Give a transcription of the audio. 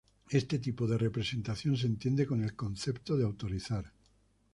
Este tipo de representación se entiende con el concepto de autorizar.